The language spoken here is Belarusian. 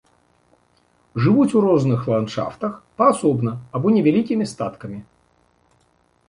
Жывуць у розных ландшафтах, паасобна або невялікімі статкамі.